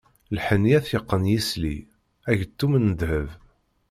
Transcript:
Lḥenni ad t-yeqqen yisli, ageṭṭum n dheb.